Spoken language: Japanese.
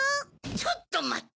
・ちょっとまって。